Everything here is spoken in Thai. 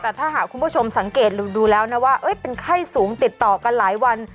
แต่ถ้าหากคุณผู้ชมสังเกตดูแล้วนะว่าเป็นไข้สูงติดต่อกันหลายวัน